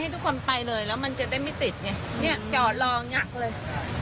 ให้ทุกคนไปเลยแล้วมันจะได้ไม่ติดเนี้ยเนี้ยเดาะรองยักษ์เลย